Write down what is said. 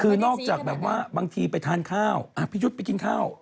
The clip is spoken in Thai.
คือนอกจากแบบว่าบางทีไปทานข้าวพี่ยุทธ์ไปกินข้าว